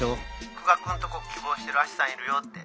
久我君とこ希望してるアシさんいるよって。